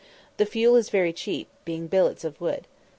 The fuel is very cheap, being billets of wood.